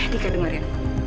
dika denger ya